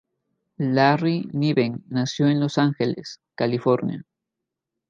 Larry Niven nació en Los Ángeles, California.